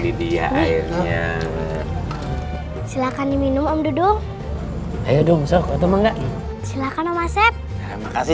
dong dia airnya silakan diminum om dudung ayo dong soh atau enggak silakan omaset makasih